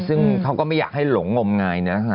ซึ่งเขาก็ไม่อยากให้หลงงมงายนะ